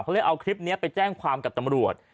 เขาเลยเอาคลิปนี้ไปแจ้งความกับตำรวจ